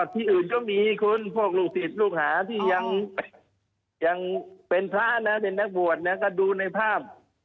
ที่อื่นก็มีคนพวกลูกศิษย์ลูกหาที่ยังเป็นพระนะเป็นนักบวชนะก็ดูในภาพ